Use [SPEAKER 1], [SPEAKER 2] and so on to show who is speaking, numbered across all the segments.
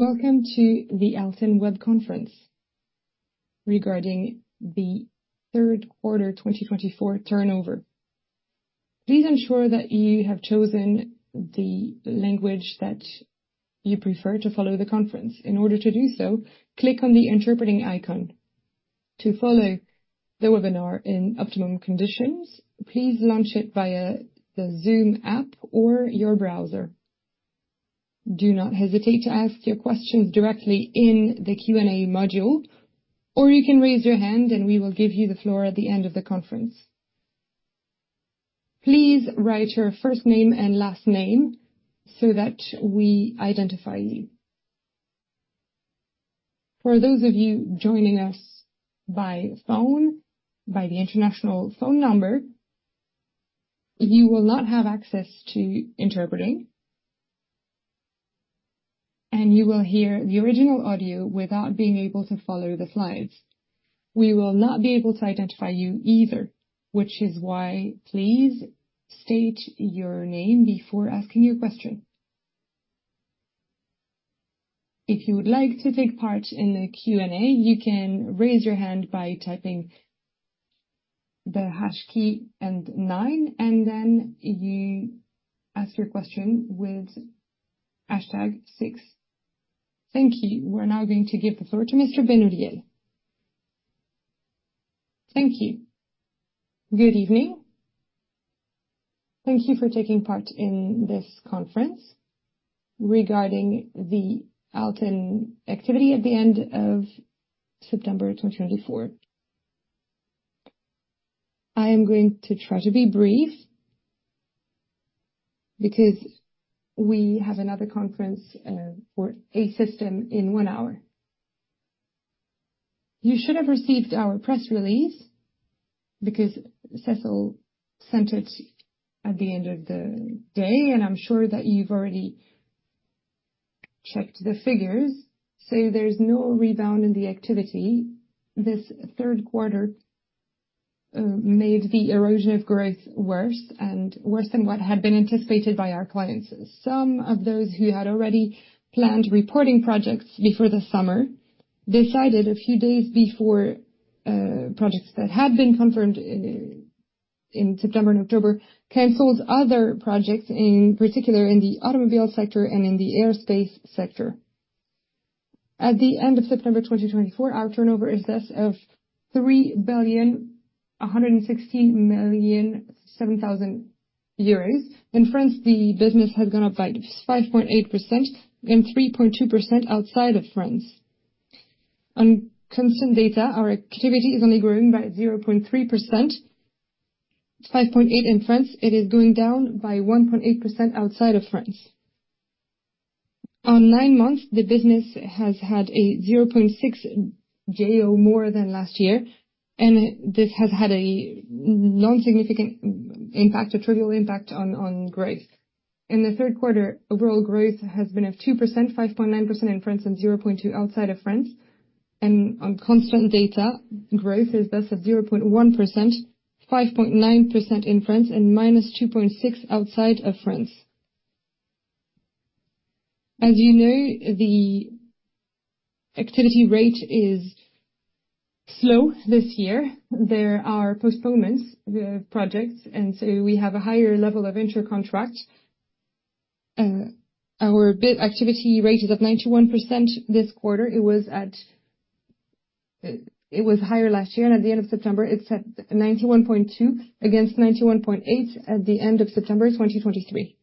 [SPEAKER 1] .Welcome to the Alten web conference regarding the third quarter twenty twenty-four turnover. Please ensure that you have chosen the language that you prefer to follow the conference. In order to do so, click on the interpreting icon. To follow the webinar in optimum conditions, please launch it via the Zoom App or your browser. Do not hesitate to ask your questions directly in the Q&A module, or you can raise your hand and we will give you the floor at the end of the conference. Please write your first name and last name so that we identify you. For those of you joining us by phone, by the international phone number, you will not have access to interpreting, and you will hear the original audio without being able to follow the slides. We will not be able to identify you either, which is why please state your name before asking your question. If you would like to take part in the Q&A, you can raise your hand by typing the hash key and nine, and then you ask your question with hashtag six. Thank you. We're now going to give the floor to Mr. Benoliel.
[SPEAKER 2] Thank you. Good evening. Thank you for taking part in this conference regarding the Alten activity at the end of September twenty twenty-four. I am going to try to be brief, because we have another conference for Assystem in one hour. You should have received our press release because Cécile sent it at the end of the day, and I'm sure that you've already checked the figures, so there's no rebound in the activity. This third quarter made the erosion of growth worse and worse than what had been anticipated by our clients. Some of those who had already planned reporting projects before the summer decided a few days before projects that had been confirmed in September and October canceled other projects, in particular in the automobile sector and in the aerospace sector. At the end of September 2024, our turnover is 3 billion, 116 million, 7,000. In France, the business has gone up by 5.8% and 3.2% outside of France. On constant data, our activity is only growing by 0.3%, 5.8% in France, it is going down by 1.8% outside of France. Over nine months, the business has had a 0.6% lower or more than last year, and this has had a nonsignificant impact, a trivial impact on growth. In the third quarter, overall growth has been 2%, 5.9% in France, and 0.2% outside of France. On constant data, growth is thus at 0.1%, 5.9% in France, and -2.6% outside of France. As you know, the activity rate is slow this year. There are postponements, the projects, and so we have a higher level of inter-contract. Our billable activity rate is 91% this quarter. It was higher last year, and at the end of September, it's at 91.2% against 91.8% at the end of September 2023.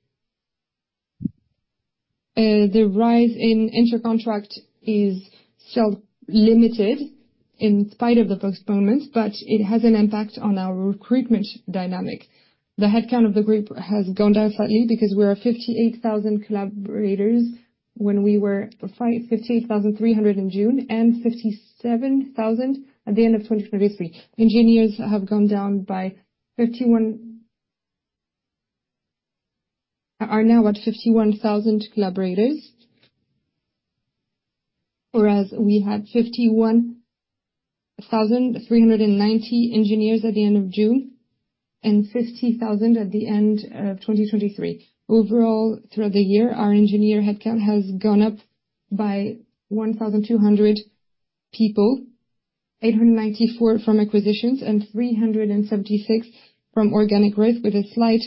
[SPEAKER 2] The rise in inter-contract is still limited in spite of the postponement, but it has an impact on our recruitment dynamic. The headcount of the group has gone down slightly because we're at 58,000 collaborators, when we were 58,300 in June and 57,000 at the end of 2023. Engineers have gone down by 51. Are now at 51,000 collaborators, whereas we had 51,390 engineers at the end of June and 50,000 at the end of 2023. Overall, throughout the year, our engineer headcount has gone up by 1,200 people, 894 from acquisitions, and 376 from organic growth, with a slight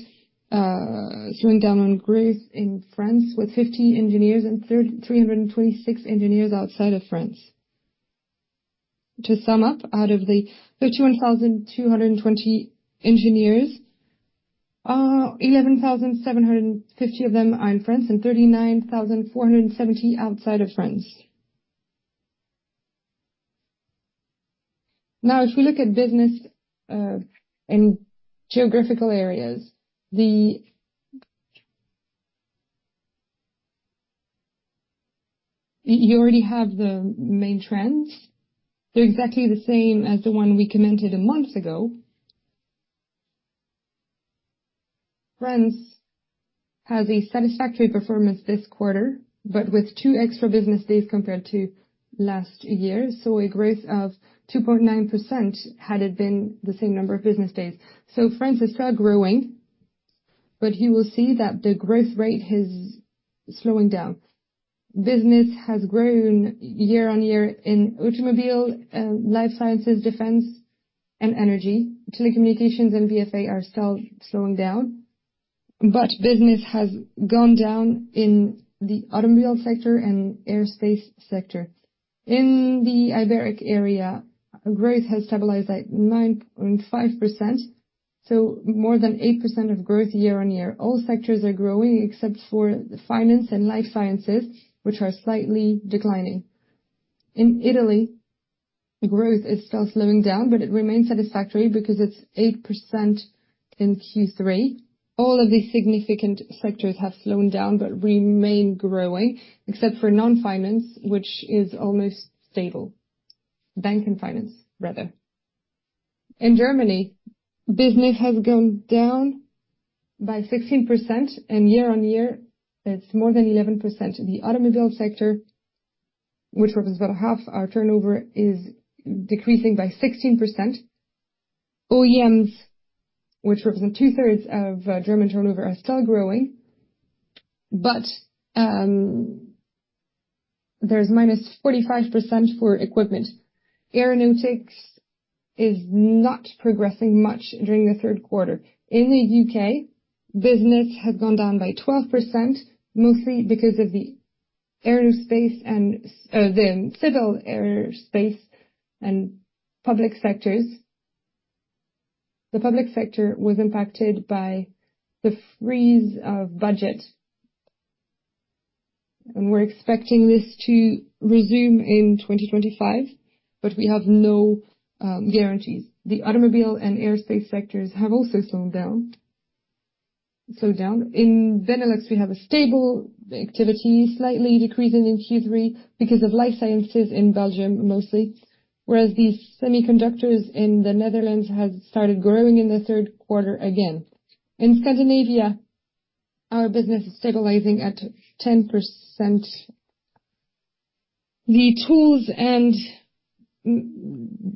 [SPEAKER 2] slowing down on growth in France, with 50 engineers and 326 engineers outside of France. To sum up, out of the fifty-one thousand two hundred and twenty engineers, eleven thousand seven hundred and fifty of them are in France and thirty-nine thousand four hundred and seventy outside of France. Now, if we look at business in geographical areas, you already have the main trends. They're exactly the same as the one we commented a month ago. France has a satisfactory performance this quarter, but with two extra business days compared to last year, so a growth of 2.9%, had it been the same number of business days, so France is still growing, but you will see that the growth rate is slowing down. Business has grown year on year in automobile, life sciences, defense, and energy. Telecommunications and BFA are still slowing down, but business has gone down in the automobile sector and aerospace sector. In Iberia, growth has stabilized at 9.5%, so more than 8% of growth year on year. All sectors are growing except for finance and life sciences, which are slightly declining. In Italy, growth is still slowing down, but it remains satisfactory because it's 8% in Q3. All of the significant sectors have slowed down but remain growing, except for non-finance, which is almost stable. Bank and finance, rather. In Germany, business has gone down by 16%, and year on year it's more than 11%. In the automobile sector, which represents about half our turnover, is decreasing by 16%. OEMs, which represent two-thirds of German turnover, are still growing, but there's -45% for equipment. Aeronautics is not progressing much during the third quarter. In the U.K., business has gone down by 12%, mostly because of the aerospace and the civil aerospace and public sectors. The public sector was impacted by the freeze of budget, and we're expecting this to resume in 2025, but we have no guarantees. The automobile and aerospace sectors have also slowed down. In Benelux, we have a stable activity, slightly decreasing in Q3 because of life sciences in Belgium, mostly, whereas the semiconductors in the Netherlands have started growing in the third quarter again. In Scandinavia, our business is stabilizing at 10%. The tools and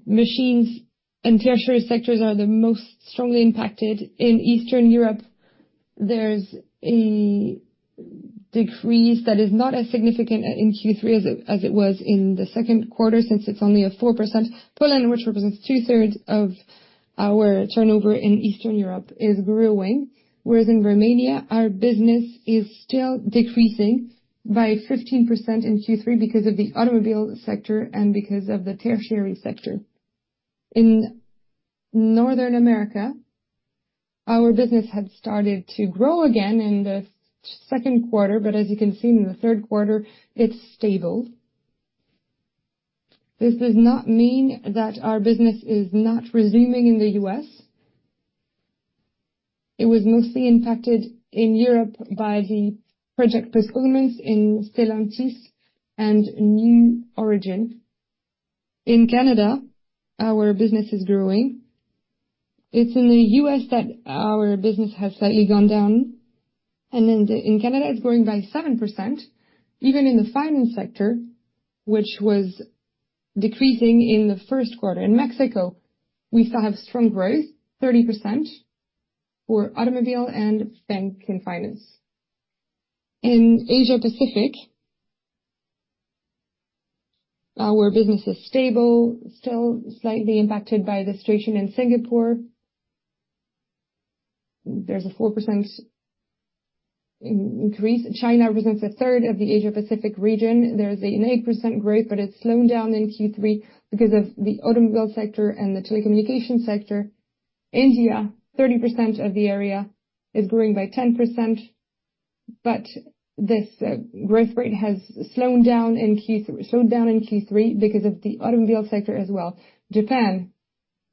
[SPEAKER 2] machines and tertiary sectors are the most strongly impacted. In Eastern Europe, there's a decrease that is not as significant in Q3 as it was in the second quarter, since it's only a 4%. Poland, which represents two-thirds of our turnover in Eastern Europe, is growing, whereas in Romania, our business is still decreasing by 15% in Q3 because of the automobile sector and because of the tertiary sector. In North America, our business had started to grow again in the second quarter, but as you can see, in the third quarter, it's stable. This does not mean that our business is not resuming in the U.S. It was mostly impacted in Europe by the project postponements in Stellantis and Blue Origin. In Canada, our business is growing. It's in the U.S. that our business has slightly gone down, and in Canada, it's growing by 7%, even in the finance sector, which was decreasing in the first quarter. In Mexico, we still have strong growth, 30% for automobile and bank and finance. In Asia Pacific, our business is stable, still slightly impacted by the situation in Singapore. There's a 4% increase. China represents a third of the Asia Pacific region. There's an 8% growth, but it's slowed down in Q3 because of the automobile sector and the telecommunication sector. India, 30% of the area, is growing by 10%, but this growth rate has slowed down in Q3, slowed down in Q3 because of the automobile sector as well. Japan,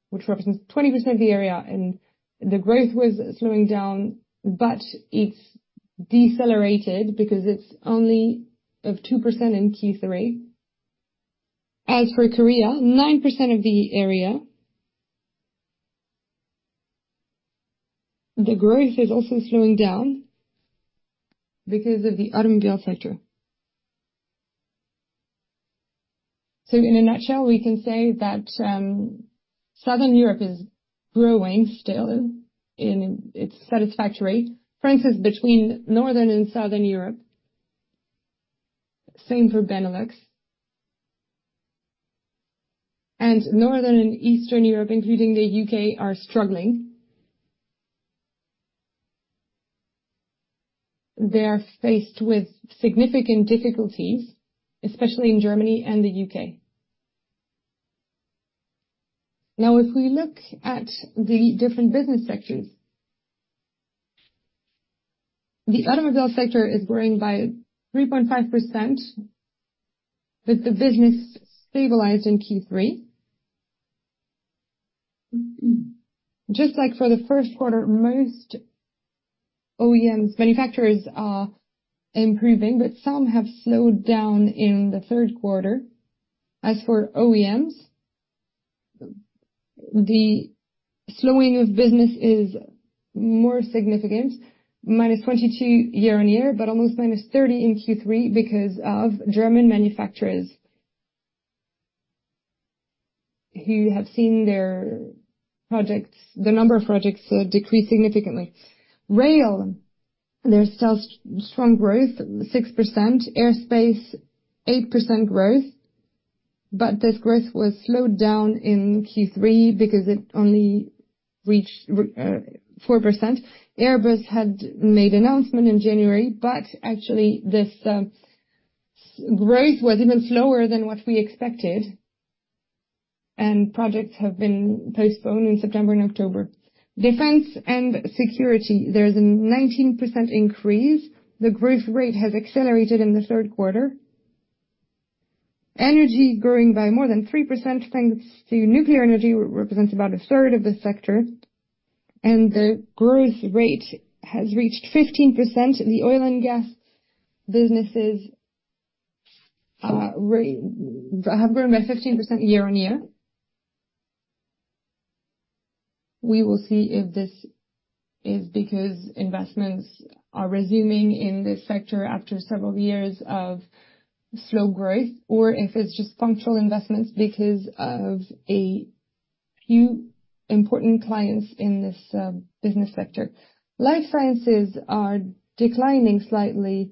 [SPEAKER 2] which represents 20% of the area, and the growth was slowing down, but it's decelerated because it's only 2% in Q3. As for Korea, 9% of the area, the growth is also slowing down because of the automobile sector. So in a nutshell, we can say that Southern Europe is growing still, and it's satisfactory. France is between Northern and Southern Europe. Same for Benelux. And Northern and Eastern Europe, including the U.K., are struggling. They are faced with significant difficulties, especially in Germany and the U.K. Now, if we look at the different business sectors, the automobile sector is growing by 3.5%, but the business stabilized in Q3. Just like for the first quarter, most OEM manufacturers are improving, but some have slowed down in the third quarter. As for OEMs, the slowing of business is more significant, minus 22% year on year, but almost minus 30% in Q3 because of German manufacturers who have seen their projects, the number of projects, decrease significantly. Rail, there's still strong growth, 6%. Aerospace, 8% growth, but this growth was slowed down in Q3 because it only reached 4%. Airbus had made announcement in January, but actually this, growth was even slower than what we expected, and projects have been postponed in September and October. Defense and security, there is a 19% increase. The growth rate has accelerated in the third quarter. Energy growing by more than 3%, thanks to nuclear energy, represents about a third of the sector, and the growth rate has reached 15%. The oil and gas businesses, have grown by 15% year-on-year. We will see if this is because investments are resuming in this sector after several years of slow growth or if it's just functional investments because of a few important clients in this, business sector. Life sciences are declining slightly.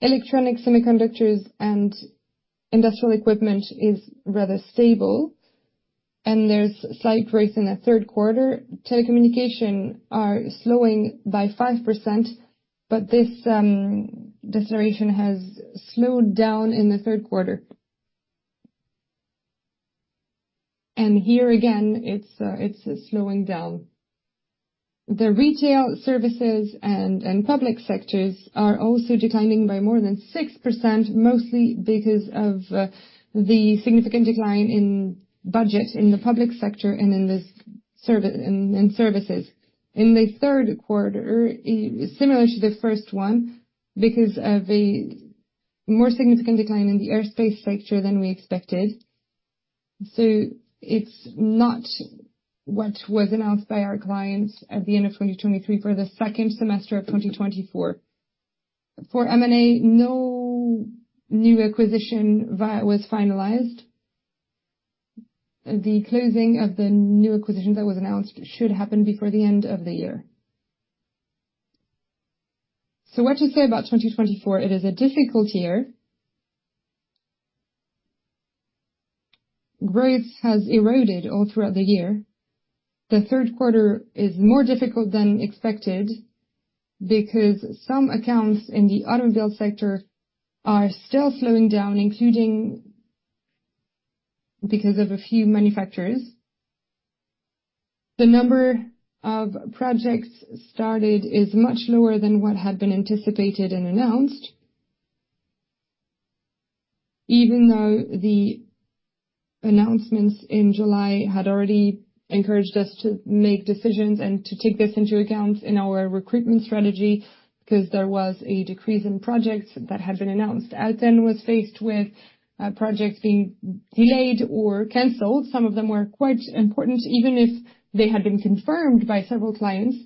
[SPEAKER 2] Electronic semiconductors and industrial equipment is rather stable, and there's slight growth in the third quarter. Telecommunications are slowing by 5%, but this deceleration has slowed down in the third quarter. Here again, it's slowing down. The retail services and public sectors are also declining by more than 6%, mostly because of the significant decline in budget in the public sector and in these services. In the third quarter, similar to the first one, because of a more significant decline in the aerospace sector than we expected. It's not what was announced by our clients at the end of 2023 for the second semester of 2024. For M&A, no new acquisition was finalized. The closing of the new acquisition that was announced should happen before the end of the year. What to say about 2024? It is a difficult year. Growth has eroded all throughout the year. The third quarter is more difficult than expected because some accounts in the automobile sector are still slowing down, including because of a few manufacturers. The number of projects started is much lower than what had been anticipated and announced. Even though the announcements in July had already encouraged us to make decisions and to take this into account in our recruitment strategy, because there was a decrease in projects that had been announced. Alten was faced with projects being delayed or canceled. Some of them were quite important, even if they had been confirmed by several clients,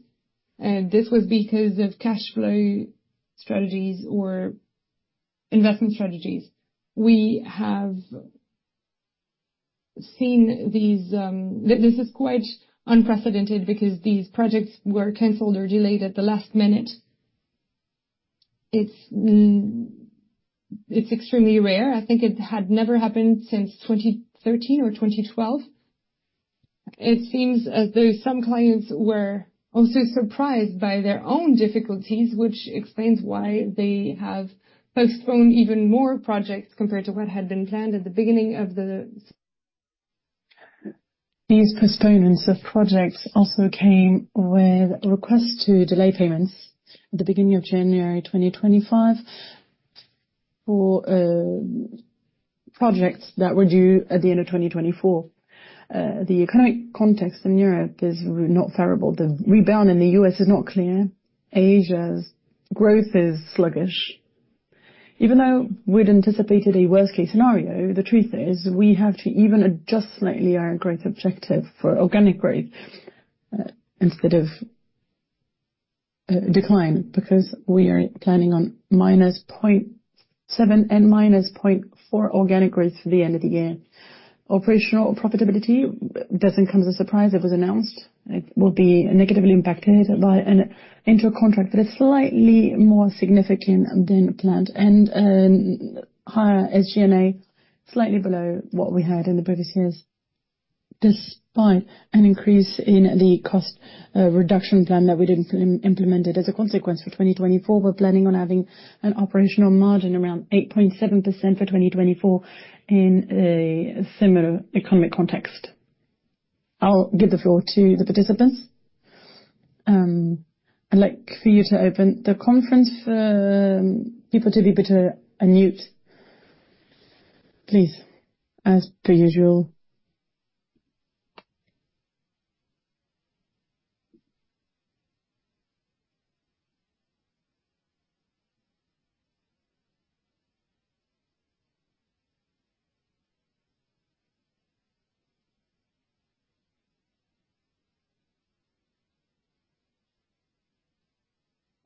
[SPEAKER 2] this was because of cash flow strategies or investment strategies. We have seen these. This is quite unprecedented because these projects were canceled or delayed at the last minute. It's extremely rare. I think it had never happened since 2013 or 2012. It seems as though some clients were also surprised by their own difficulties, which explains why they have postponed even more projects compared to what had been planned at the beginning of. These postponements of projects also came with requests to delay payments at the beginning of January 2025 for projects that were due at the end of 2024. The economic context in Europe is not favorable. The rebound in the U.S. is not clear. Asia's growth is sluggish. Even though we'd anticipated a worst-case scenario, the truth is, we have to even adjust slightly our growth objective for organic growth, instead of decline, because we are planning on -0.7% to -0.4% organic growth to the end of the year. Operational profitability doesn't come as a surprise. It was announced. It will be negatively impacted by an inter-contract that is slightly more significant than planned and higher SG&A, slightly below what we had in the previous years. Despite an increase in the cost reduction plan that we didn't implement as a consequence for 2024, we're planning on having an operational margin around 8.7% for 2024 in a similar economic context. I'll give the floor to the participants. I'd like for you to open the conference, people to be put unmute, please, as per usual.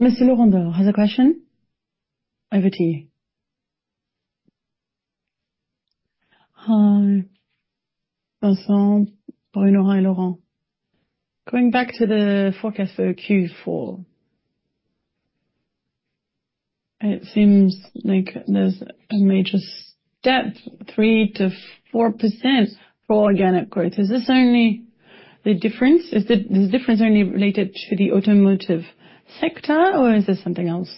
[SPEAKER 1] Laurent has a question? Over to you.
[SPEAKER 3] Hi, Vincent, Bruno, and Laurent. Going back to the forecast for Q4, it seems like there's a major step, 3-4% for organic growth. Is this only the difference? Is the difference only related to the automotive sector, or is there something else?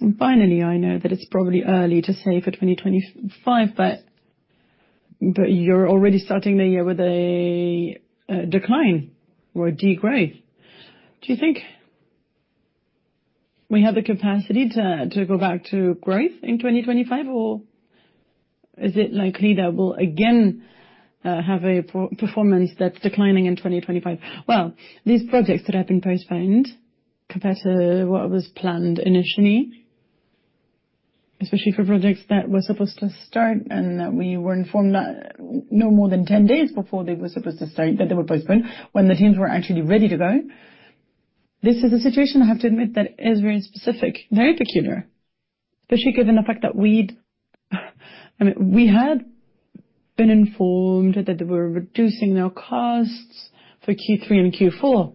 [SPEAKER 3] And finally, I know that it's probably early to say for 2025, but you're already starting the year with a decline or a degrowth. Do you think we have the capacity to go back to growth in 2025, or is it likely that we'll again have a performance that's declining in 2025?
[SPEAKER 2] These projects that have been postponed compared to what was planned initially, especially for projects that were supposed to start, and we were informed that no more than ten days before they were supposed to start, that they were postponed when the teams were actually ready to go. This is a situation, I have to admit, that is very specific, very peculiar. Especially given the fact that we'd, I mean, we had been informed that they were reducing their costs for Q3 and Q4,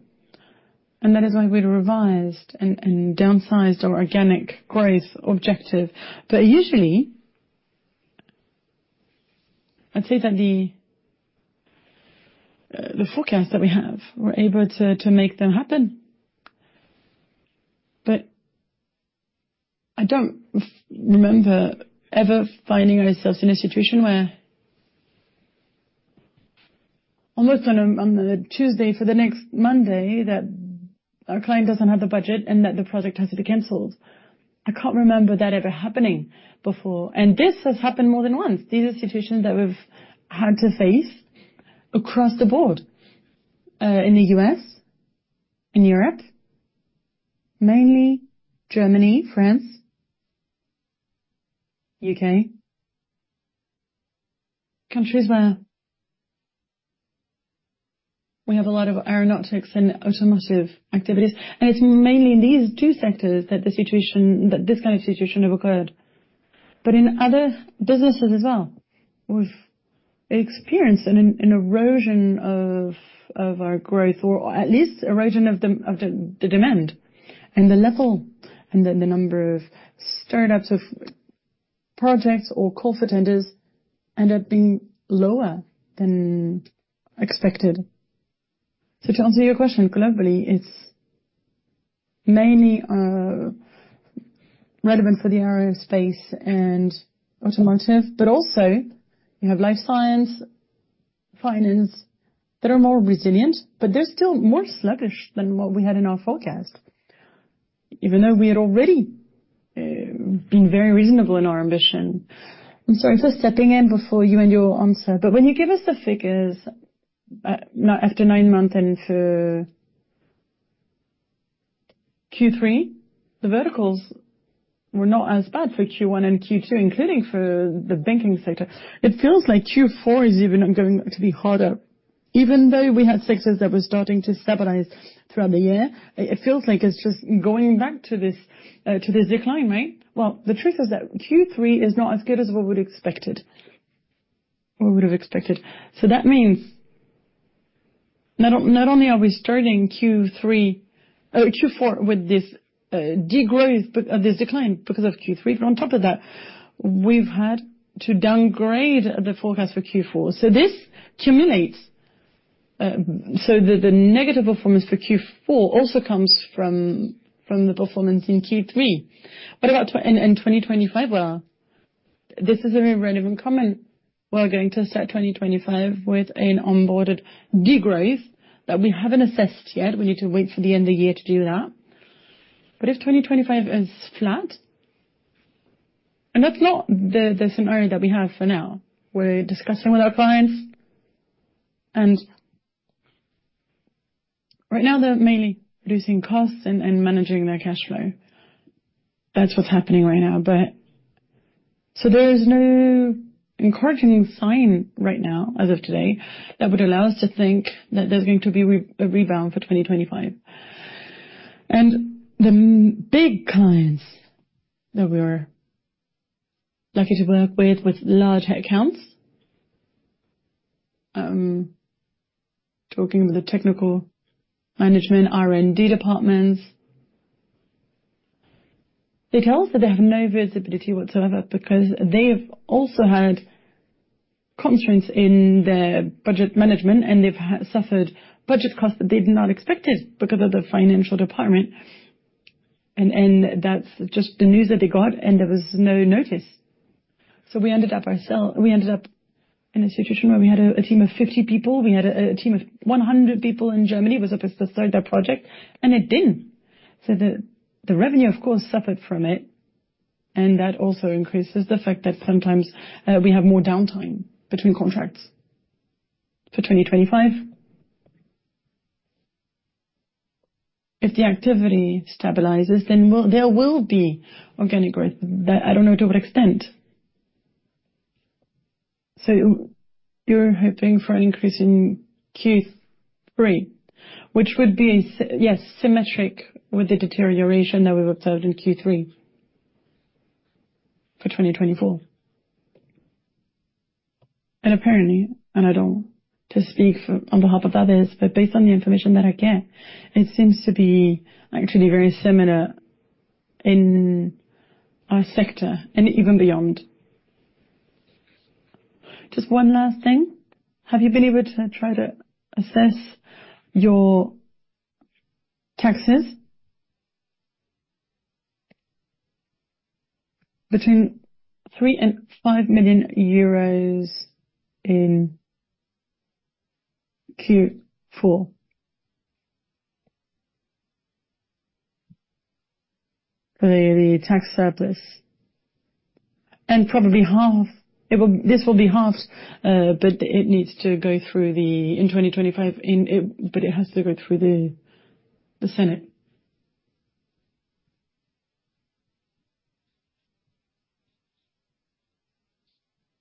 [SPEAKER 2] and that is why we revised and downsized our organic growth objective. But usually, I'd say that the forecast that we have, we're able to make them happen. But I don't remember ever finding ourselves in a situation where almost on a, on the Tuesday for the next Monday, that our client doesn't have the budget and that the project has to be canceled. I can't remember that ever happening before, and this has happened more than once. These are situations that we've had to face across the board, in the U.S., in Europe, mainly Germany, France, U.K. Countries where we have a lot of aeronautics and automotive activities, and it's mainly in these two sectors, that the situation that this kind of situation have occurred. But in other businesses as well, we've experienced an erosion of our growth, or at least erosion of the demand and the level, and then the number of startups of projects or call for tenders end up being lower than expected.
[SPEAKER 3] To answer your question, globally, it's mainly relevant for the aerospace and automotive, but also you have life science, finance, that are more resilient, but they're still more sluggish than what we had in our forecast. Even though we had already been very reasonable in our ambition. I'm sorry, just stepping in before you end your answer, but when you give us the figures after nine months into Q3, the verticals were not as bad for Q1 and Q2, including for the banking sector. It feels like Q4 is even going to be harder. Even though we had sectors that were starting to stabilize throughout the year, it feels like it's just going back to this decline, right?
[SPEAKER 2] Well, the truth is that Q3 is not as good as what we'd expected. What we would have expected. That means not only are we starting Q3, Q4 with this degrowth, but this decline because of Q3, but on top of that, we've had to downgrade the forecast for Q4. This cumulates, so the negative performance for Q4 also comes from the performance in Q3. What about in twenty twenty-five? This is a very relevant comment. We're going to start twenty twenty-five with an onboarded degrowth that we haven't assessed yet. We need to wait for the end of the year to do that. But if twenty twenty-five is flat, and that's not the scenario that we have for now, we're discussing with our clients, and right now they're mainly reducing costs and managing their cash flow. That's what's happening right now. But... So there's no encouraging sign right now, as of today, that would allow us to think that there's going to be a rebound for twenty twenty-five. And the big clients that we are lucky to work with, with large accounts, talking with the technical management, R&D departments, they tell us that they have no visibility whatsoever because they have also had constraints in their budget management, and they've suffered budget cuts that they did not expected because of the financial department. And that's just the news that they got, and there was no notice. So we ended up in a situation where we had a team of fifty people, we had a team of one hundred people in Germany, who was supposed to start their project, and it didn't. The revenue, of course, suffered from it, and that also increases the fact that sometimes we have more downtime between contracts. For 2025, if the activity stabilizes, then there will be organic growth. But I don't know to what extent. You're hoping for an increase in Q3, which would be, yes, symmetric with the deterioration that we've observed in Q3 for 2024? Apparently, I don't want to speak for, on behalf of others, but based on the information that I get, it seems to be actually very similar in our sector and even beyond. Just one last thing, have you been able to try to assess your taxes? Between 3 and 5 million euros in Q4. The tax surplus, and probably half, this will be halved, but it needs to go through the... In 2025, in it, but it has to go through the Senate.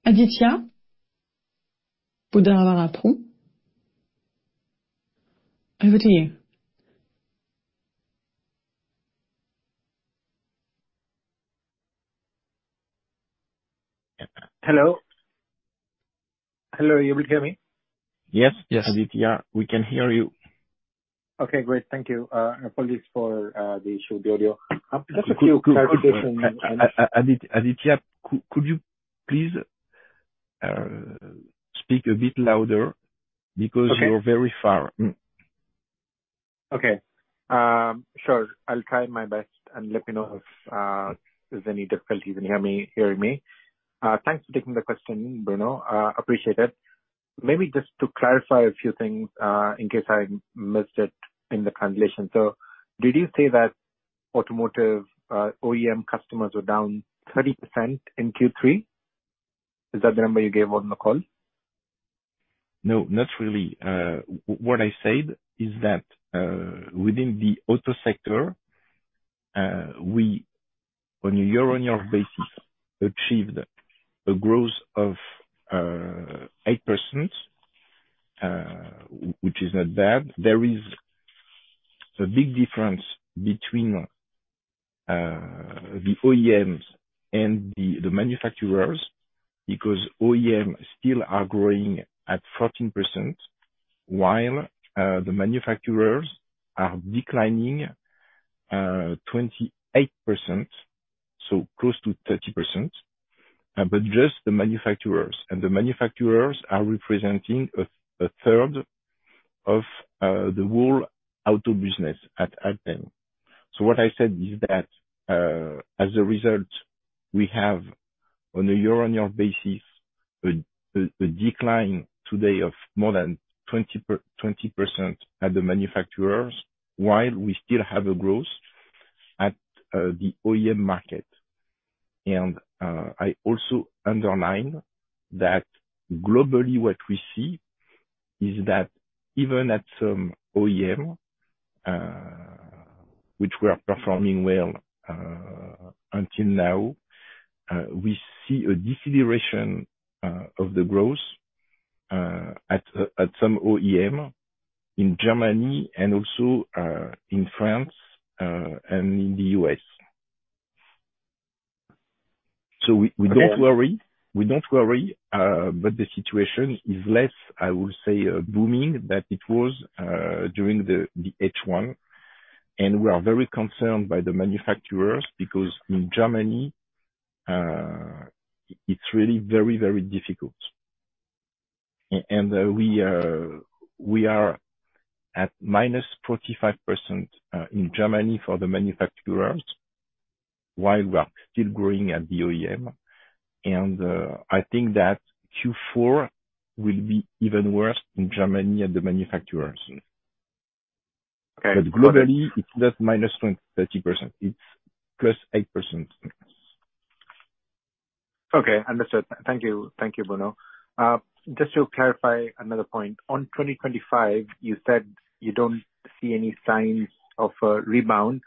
[SPEAKER 1] Aditya Budarapu, over to you.
[SPEAKER 4] Hello? Hello, you able to hear me?
[SPEAKER 2] Yes, yes, Aditya, we can hear you.
[SPEAKER 4] Okay, great. Thank you. Apologies for the issue with the audio. Just a few clarification-
[SPEAKER 2] Aditya, could you please speak a bit louder, because-
[SPEAKER 4] Okay.
[SPEAKER 2] You're very far. Mm.
[SPEAKER 4] Okay. Sure. I'll try my best, and let me know if there's any difficulties in hearing me. Thanks for taking the question, Bruno. Appreciate it. Maybe just to clarify a few things, in case I missed it in the translation. So did you say that automotive OEM customers were down 30% in Q3? Is that the number you gave on the call?
[SPEAKER 2] No, not really. What I said is that, within the auto sector, we, on a year-on-year basis, achieved a growth of 8%, which is not bad. There is a big difference between the OEMs and the manufacturers, because OEMs still are growing at 14%, while the manufacturers are declining 28%, so close to 30%, but just the manufacturers. The manufacturers are representing a third of the whole auto business at Alten. So what I said is that, as a result, we have, on a year-on-year basis, a decline today of more than 20% at the manufacturers, while we still have a growth at the OEM market. I also underline that globally, what we see is that even at some OEM, which we are performing well, until now, we see a deceleration of the growth at some OEM in Germany and also in France and in the U.S. We don't worry, but the situation is less, I would say, booming, than it was during the H1. We are very concerned by the manufacturers, because in Germany, it's really very, very difficult. We are at minus 45% in Germany for the manufacturers, while we are still growing at the OEM. I think that Q4 will be even worse in Germany at the manufacturers.
[SPEAKER 4] Okay.
[SPEAKER 2] Globally, it's not minus 20-30%; it's plus 8%.
[SPEAKER 4] Okay, understood. Thank you. Thank you, Bruno. Just to clarify another point, on 2025, you said you don't see any signs of a rebound.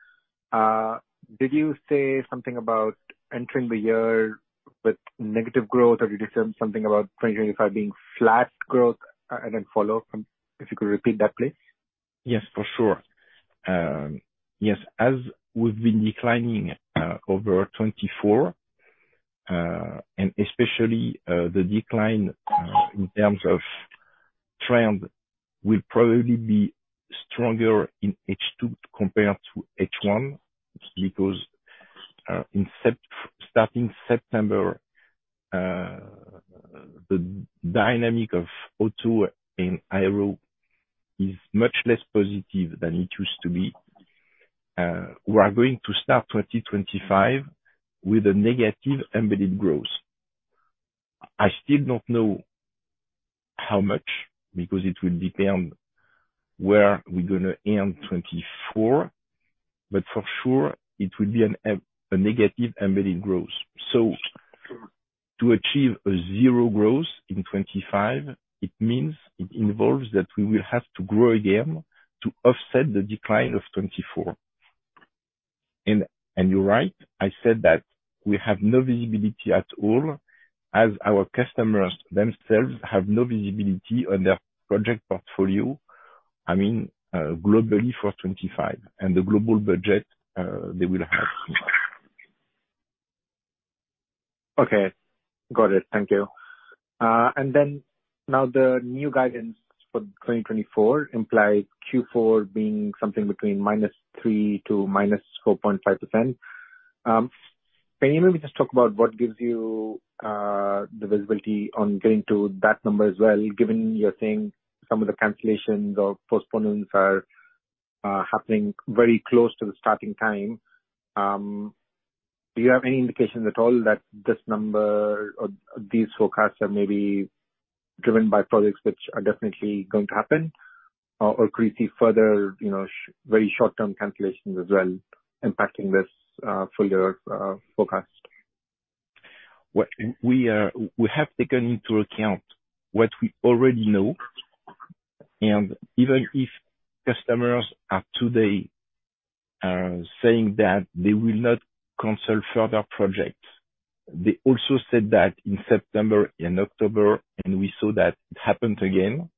[SPEAKER 4] Did you say something about entering the year with negative growth, or did you say something about 2025 being flat growth, and then follow? If you could repeat that, please.
[SPEAKER 2] Yes, for sure. Yes, as we've been declining over twenty twenty-four, and especially the decline in terms of trend will probably be stronger in H2 compared to H1, because starting September the dynamic of O2 in Aero is much less positive than it used to be. We are going to start twenty twenty-five with a negative embedded growth. I still don't know how much, because it will depend where we're gonna end twenty twenty-four, but for sure it will be a negative embedded growth. So to achieve a zero growth in twenty twenty-five, it means it involves that we will have to grow again to offset the decline of twenty twenty-four. And you're right. I said that we have no visibility at all, as our customers themselves have no visibility on their project portfolio, I mean, globally for 2025, and the global budget they will have tomorrow.
[SPEAKER 4] Okay, got it. Thank you. And then now the new guidance for twenty twenty-four implies Q4 being something between -3% to -4.5%. Can you maybe just talk about what gives you the visibility on getting to that number as well, given you're seeing some of the cancellations or postponements are happening very close to the starting time? Do you have any indications at all that this number or these forecasts are maybe driven by projects which are definitely going to happen? Or could we see further, you know, very short-term cancellations as well, impacting this full year forecast?
[SPEAKER 2] What we have taken into account what we already know, and even if customers are today saying that they will not cancel further projects, they also said that in September and October, and we saw that it happened again.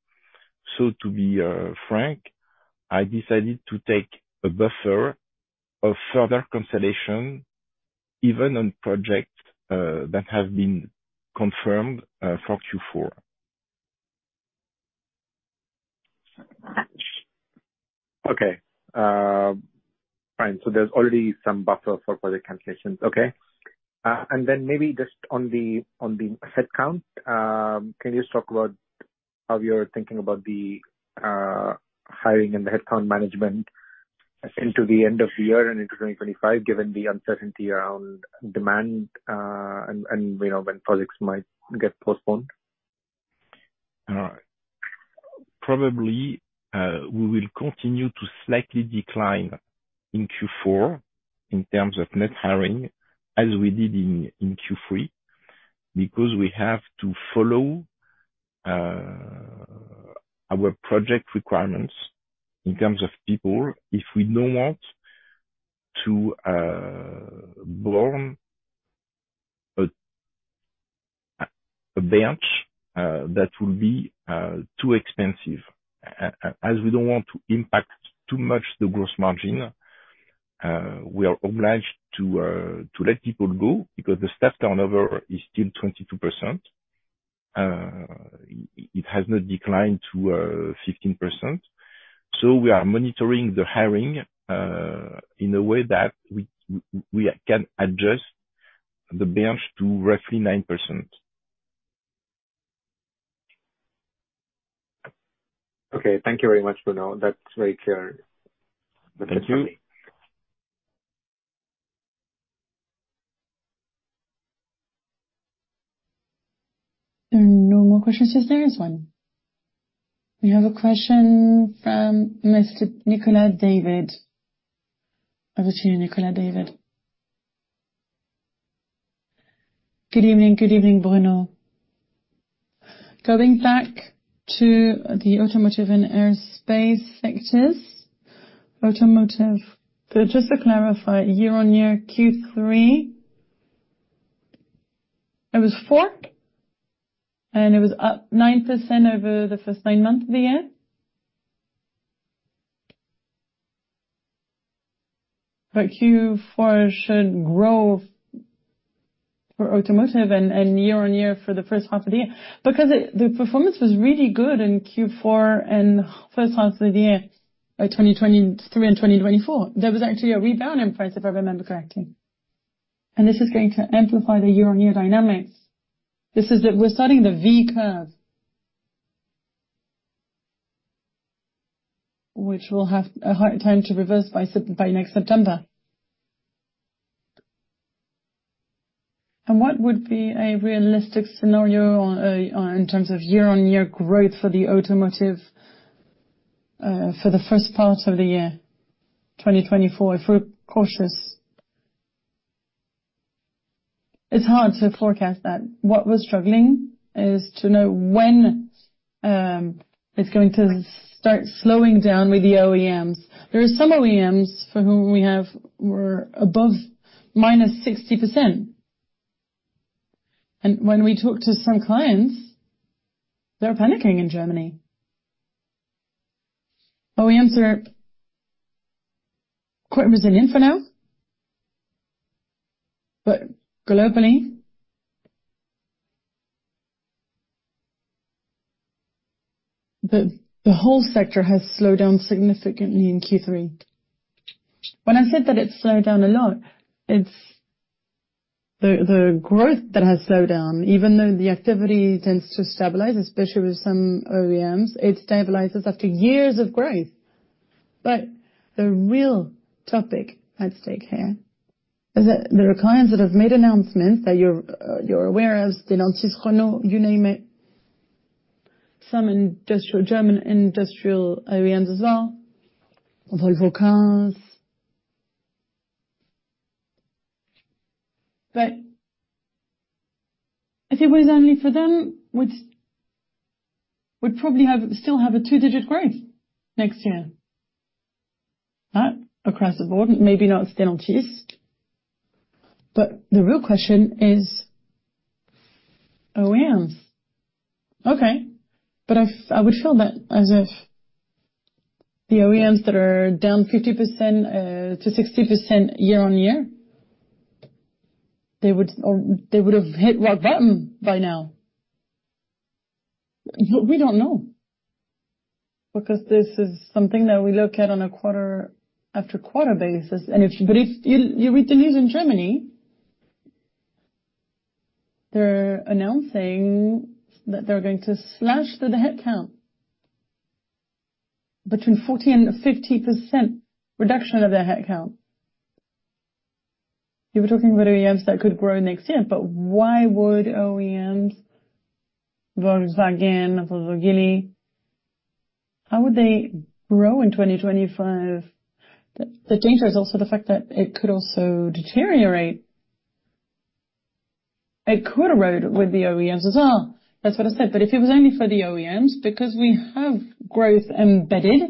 [SPEAKER 2] So to be frank, I decided to take a buffer of further cancellation, even on projects that have been confirmed for Q4.
[SPEAKER 4] Okay. Fine, so there's already some buffers for project cancellations. Okay. And then maybe just on the headcount, can you just talk about how you're thinking about the hiring and the headcount management into the end of the year and into 2025, given the uncertainty around demand, and you know, when projects might get postponed?
[SPEAKER 2] Probably we will continue to slightly decline in Q4 in terms of net hiring, as we did in Q3, because we have to follow our project requirements in terms of people, if we don't want to borrow a bench that will be too expensive. As we don't want to impact too much the gross margin, we are obliged to let people go, because the staff turnover is still 22%. It has not declined to 15%. So we are monitoring the hiring in a way that we can adjust the bench to roughly 9%.
[SPEAKER 4] Okay. Thank you very much, Bruno. That's very clear.
[SPEAKER 2] Thank you.
[SPEAKER 4] Thank you.
[SPEAKER 1] There are no more questions. Yes, there is one. We have a question from Mr. Nicolas David. Over to you, Nicolas David.
[SPEAKER 5] Good evening. Good evening, Bruno. Going back to the automotive and aerospace sectors. Automotive, so just to clarify, year-on-year, Q3, it was 4%, and it was up 9% over the first nine months of the year. But Q4 should grow for automotive and year-on-year for the first half of the year, because the performance was really good in Q4 and first half of the year by 2023 and 2024. There was actually a rebound in price, if I remember correctly. And this is going to amplify the year-on-year dynamics. This is the... We're starting the V-curve, which will have a hard time to reverse by next September. And what would be a realistic scenario on, in terms of year-on-year growth for the automotive, for the first part of the year, 2024, if we're cautious?
[SPEAKER 2] It's hard to forecast that. What we're struggling is to know when it's going to start slowing down with the OEMs. There are some OEMs for whom we have, we're above -60%. And when we talk to some clients, they're panicking in Germany. OEMs are quite resilient for now, but globally, the whole sector has slowed down significantly in Q3. When I said that it slowed down a lot, it's the growth that has slowed down, even though the activity tends to stabilize, especially with some OEMs, it stabilizes after years of growth, but the real topic at stake here is that there are clients that have made announcements that you're aware of, Stellantis, Renault, you name it. Some industrial German OEMs as well, although cars...
[SPEAKER 5] But if it was only for them, we'd probably still have a two-digit growth next year. Not across the board, maybe not Daimler Truck. But the real question is OEMs. Okay, but I would feel that as if the OEMs that are down 50%-60% year-on-year, they would have hit rock bottom by now. But we don't know, because this is something that we look at on a quarter after quarter basis. But if you read the news in Germany, they're announcing that they're going to slash the headcount between 40% and 50% reduction of their headcount. You were talking about OEMs that could grow next year, but why would OEMs, Volkswagen or Geely, how would they grow in 2025?
[SPEAKER 2] The danger is also the fact that it could also deteriorate.
[SPEAKER 5] It could erode with the OEMs as well.
[SPEAKER 2] That's what I said. But if it was only for the OEMs, because we have growth embedded,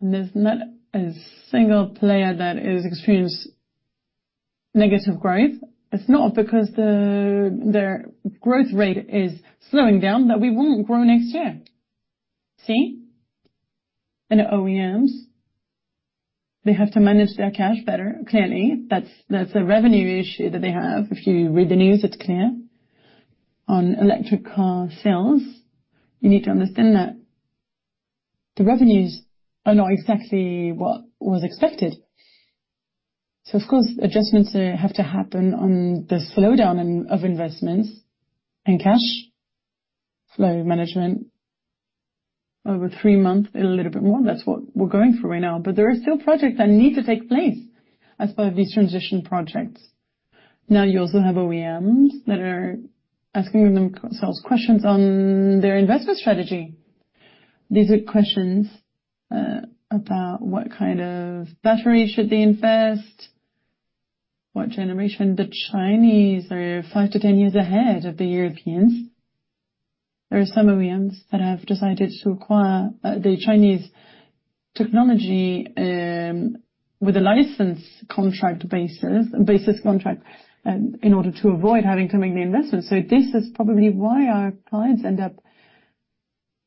[SPEAKER 2] and there's not a single player that has experienced negative growth, it's not because the, their growth rate is slowing down that we won't grow next year. See? And the OEMs, they have to manage their cash better, clearly. That's, that's a revenue issue that they have. If you read the news, it's clear. On electric car sales, you need to understand that the revenues are not exactly what was expected. So of course, adjustments have to happen on the slowdown of investments and cash flow management over three months and a little bit more. That's what we're going through right now. But there are still projects that need to take place as part of these transition projects. Now, you also have OEMs that are asking themselves questions on their investment strategy. These are questions about what kind of battery should they invest, what generation. The Chinese are five to 10 years ahead of the Europeans. There are some OEMs that have decided to acquire the Chinese technology with a license contract basis in order to avoid having to make the investment. So this is probably why our clients end up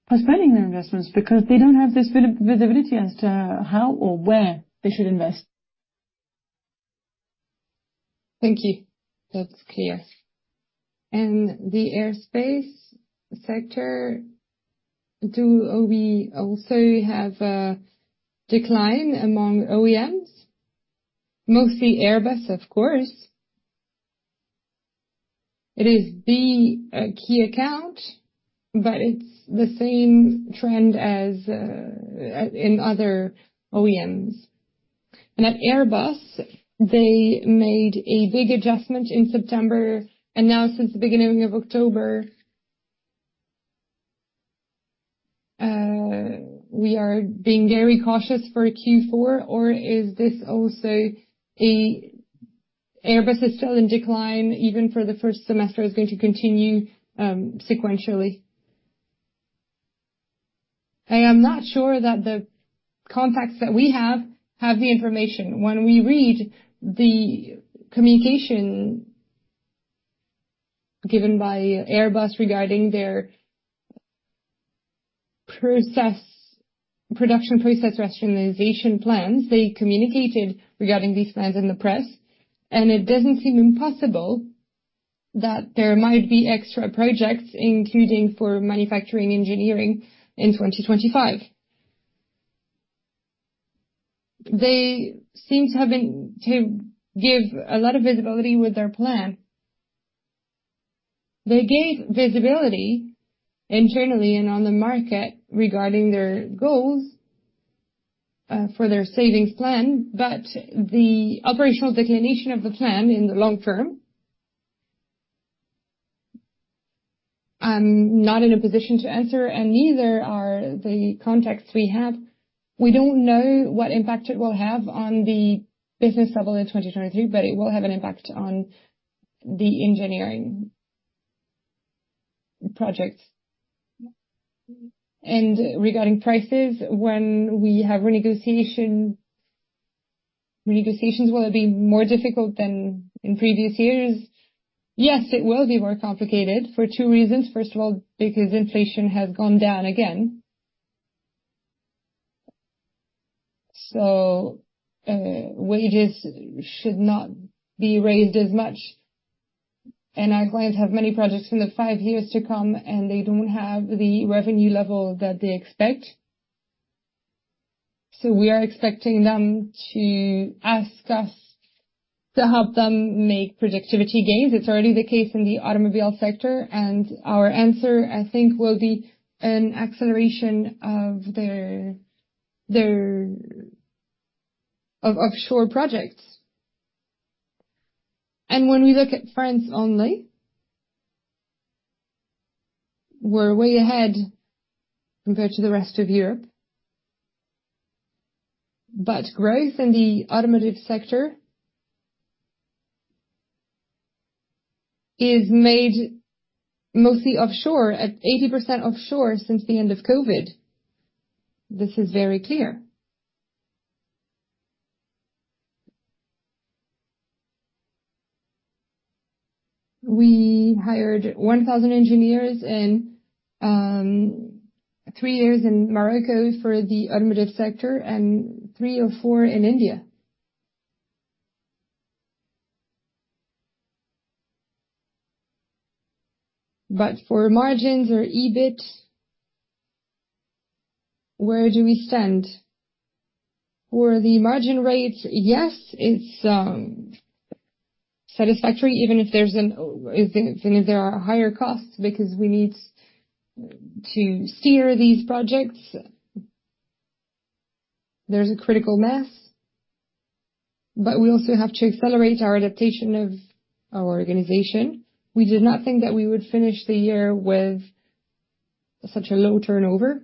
[SPEAKER 2] postponing their investments, because they don't have this visibility as to how or where they should invest.
[SPEAKER 5] Thank you. That's clear. And the aerospace sector, do we also have a decline among OEMs?
[SPEAKER 2] Mostly Airbus, of course. It is the key account, but it's the same trend as in other OEMs.
[SPEAKER 5] And at Airbus, they made a big adjustment in September, and now since the beginning of October, we are being very cautious for Q4, or is this also a Airbus is still in decline, even for the first semester is going to continue, sequentially?
[SPEAKER 2] I am not sure that the contacts that we have, have the information. When we read the communication given by Airbus regarding their process-production process rationalization plans, they communicated regarding these plans in the press, and it doesn't seem impossible that there might be extra projects, including for manufacturing engineering in 2025.
[SPEAKER 5] They seem to have been to give a lot of visibility with their plan.
[SPEAKER 2] They gave visibility internally and on the market regarding their goals for their savings plan, but the operational declination of the plan in the long term, I'm not in a position to answer, and neither are the contacts we have. We don't know what impact it will have on the business level in 2023, but it will have an impact on the engineering projects.
[SPEAKER 5] Regarding prices, when we have reneg.otiations, will it be more difficult than in previous years?
[SPEAKER 2] Yes, it will be more complicated for two reasons. First of all, because inflation has gone down again. So, wages should not be raised as much, and our clients have many projects in the five years to come, and they don't have the revenue level that they expect. So we are expecting them to ask us to help them make productivity gains. It's already the case in the automobile sector, and our answer, I think, will be an acceleration of their... of offshore projects. And when we look at France only- ...We're way ahead compared to the rest of Europe. But growth in the automotive sector is made mostly offshore, at 80% offshore since the end of COVID. This is very clear. We hired one thousand engineers in three years in Morocco for the automotive sector, and three or four in India. But for margins or EBIT, where do we stand? For the margin rates, yes, it's satisfactory, even if there are higher costs, because we need to steer these projects. There's a critical mass, but we also have to accelerate our adaptation of our organization. We did not think that we would finish the year with such a low turnover.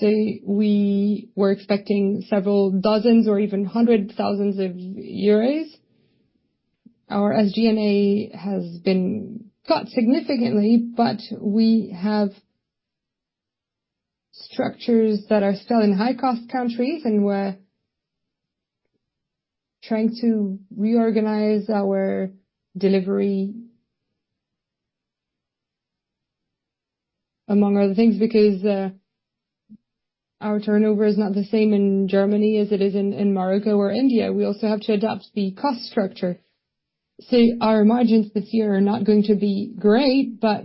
[SPEAKER 2] Say we were expecting several dozens or even hundred thousands of euros. Our SG&A has been cut significantly, but we have structures that are still in high-cost countries, and we're trying to reorganize our delivery, among other things, because our turnover is not the same in Germany as it is in Morocco or India. We also have to adapt the cost structure. So our margins this year are not going to be great, but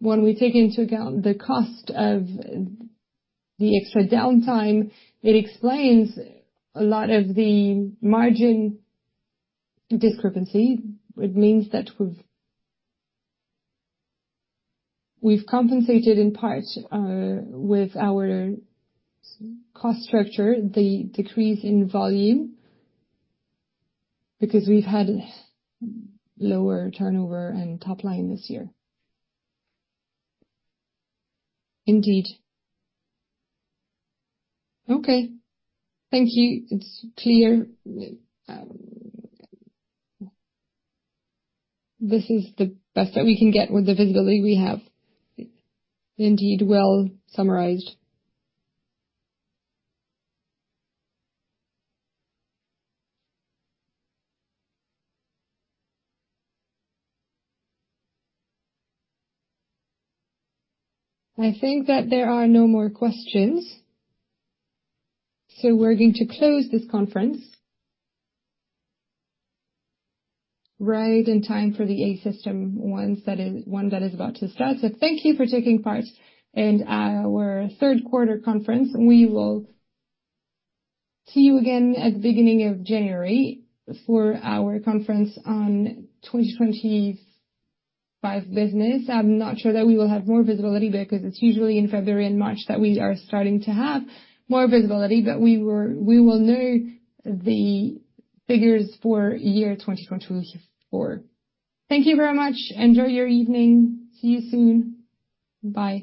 [SPEAKER 2] when we take into account the cost of the extra downtime, it explains a lot of the margin discrepancy. It means that we've compensated, in part, with our cost structure, the decrease in volume, because we've had lower turnover and top line this year. Indeed. Okay, thank you. It's clear. This is the best that we can get with the visibility we have.
[SPEAKER 5] Indeed, well summarized.
[SPEAKER 2] I think that there are no more questions, so we're going to close this conference. Right in time for the Assystem one that is about to start. Thank you for taking part in our third quarter conference. We will see you again at the beginning of January for our conference on 2025 business. I'm not sure that we will have more visibility, because it's usually in February and March that we are starting to have more visibility, but we will, we will know the figures for year 2024. Thank you very much. Enjoy your evening. See you soon. Bye.